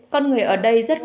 con người ở đây rất là hấp dẫn